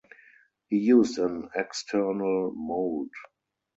He used an external mould.